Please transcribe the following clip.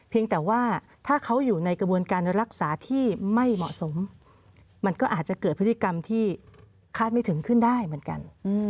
แต่ว่าถ้าเขาอยู่ในกระบวนการรักษาที่ไม่เหมาะสมมันก็อาจจะเกิดพฤติกรรมที่คาดไม่ถึงขึ้นได้เหมือนกัน